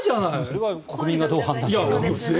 それは国民がどう判断するかですね。